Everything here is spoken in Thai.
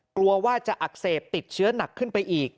กลัวว่าจะอักเสบติดเชื้อหนักขึ้นไปอีก